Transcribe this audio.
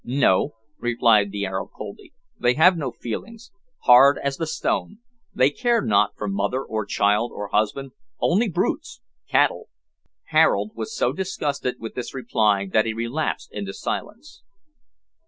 "No," replied the Arab coldly. "They have no feelings. Hard as the stone. They care not for mother, or child, or husband. Only brutes cattle." Harold was so disgusted with this reply that he relapsed into silence.